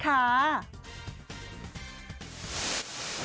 บ๊ายแกมัดด้วย